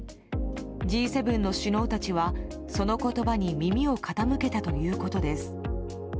Ｇ７の首脳たちは、その言葉に耳を傾けたということです。